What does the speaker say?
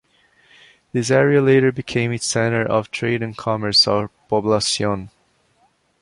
This area later became its center of trade and commerce or Poblacion.